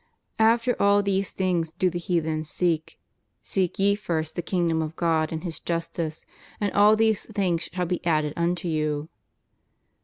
After all these things do the heathens seek. ... Seek ye first the kingdom of God and His justice, and all these things shall be added unto you?